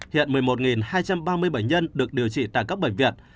hiện một mươi một hai trăm ba mươi bệnh nhân được điều trị tại các bệnh viện